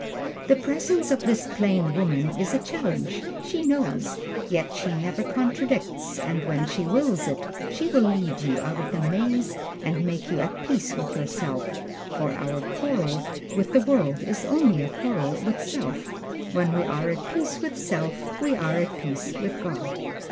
The presence of this plain woman is a challenge she knows! Yet she never contradicts, and when she wills it, she will lead you out of the maze and make you at peace with yourself; for our quarrel with the world is only a quarrel with self. When we are at peace with self we are at peace with God.